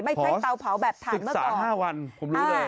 ไม่ใช่เตาเผาแบบฐานเมื่อก่อน